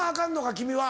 君は。